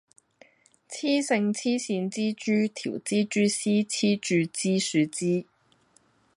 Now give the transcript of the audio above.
雌性黐線蜘蛛條蜘蛛絲黐住枝樹枝